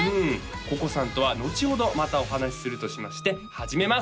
瑚々さんとはのちほどまたお話しするとしまして始めます